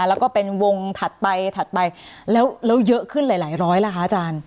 แล้วก็เป็นวงถัดไปถัดไปแล้วเยอะขึ้นหลายร้อยล่ะคะอาจารย์